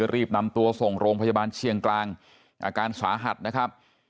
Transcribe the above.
รีบนำตัวส่งโรงพยาบาลเชียงกลางอาการสาหัสนะครับ